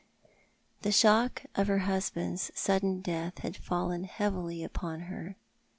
The shock of her husband's sudden death had fallen heavily upon her.